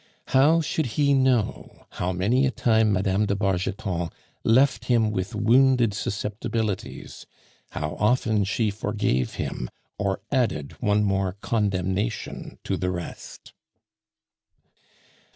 How should he know how many a time Mme. de Bargeton left him with wounded susceptibilities, how often she forgave him or added one more condemnation to the rest?